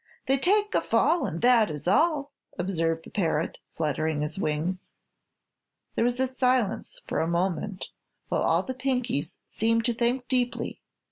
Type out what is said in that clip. "They'd take a fall And that is all!" observed the parrot, fluttering its wings. There was silence for a moment, while all the Pinkies seemed to think deeply.